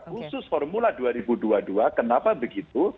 khusus formula dua ribu dua puluh dua kenapa begitu